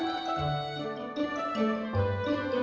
terima kasih bang leveraging nih ini